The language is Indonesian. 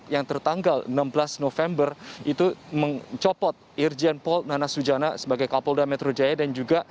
yang tertanggal enam belas november itu mencopot irjen paul nana sujana sebagai kapolda metro jaya dan juga